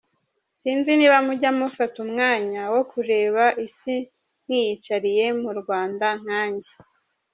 Sinzi niba mujya mufata umwanya wo kureba isi mwiyicariye mu Rwanda nkanjye.